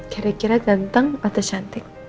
kira kira ganteng atau cantik